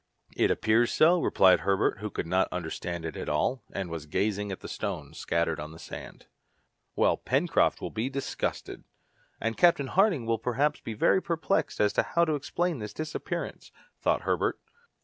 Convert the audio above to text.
"It appears so," replied Herbert, who could not understand it at all, and was gazing at the stones scattered on the sand. "Well, Pencroft will be disgusted!" "And Captain Harding will perhaps be very perplexed how to explain this disappearance" thought Herbert.